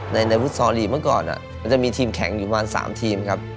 ในฟุตซอลลีกเมื่อก่อนมันจะมีทีมแข็งอยู่ประมาณ๓ทีมครับ